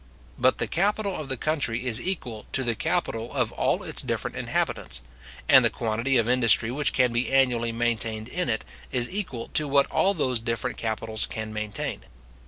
But the capital of the country is equal to the capital of all its different inhabitants; and the quantity of industry which can be annually maintained in it is equal to what all those different capitals can maintain.